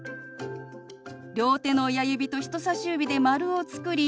両手の親指と人さし指で丸を作り